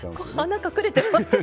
穴隠れてますね。